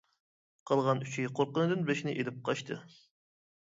قالغان ئۈچى قورققىنىدىن بېشىنى ئېلىپ قاچتى.